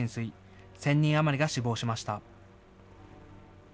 １０００人余りが死亡しました。